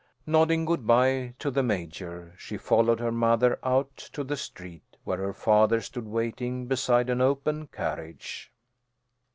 Nodding good bye to the Major, she followed her mother out to the street, where her father stood waiting beside an open carriage.